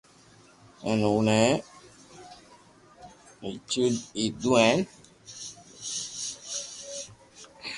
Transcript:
ھين اوڻي ئچن ليدو ھي